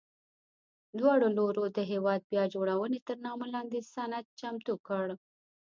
دواړو لورو د هېواد بیا جوړونې تر نامه لاندې سند چمتو کړ.